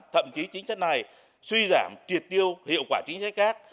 thậm chí chính trách này suy giảm triệt tiêu hiệu quả chính trách khác